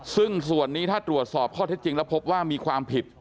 ซึ่งส่วนนี้ถ้าตรวจสอบข้อเท็จจริงแล้วพบว่ามีความผิด